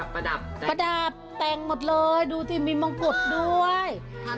พระดาบแต่งหมดเลยดูที่มีมงกุฎด้วย